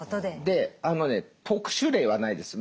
あのね特殊例はないです。